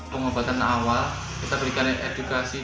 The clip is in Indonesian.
pengobatan awal kita berikan edukasi